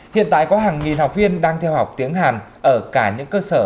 hiện tại có hàng nghìn học viên đang theo học tiếng hàn ở cả những cơ sở